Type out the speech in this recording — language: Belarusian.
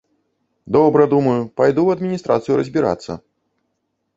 Добра, думаю, пайду ў адміністрацыю разбірацца.